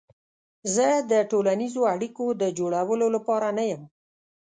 زه د ټولنیزو اړیکو د جوړولو لپاره نه یم.